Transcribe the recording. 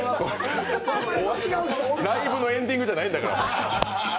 ライブのエンディングじゃないんだから！